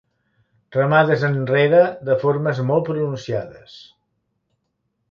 Remades enrere de formes molt pronunciades.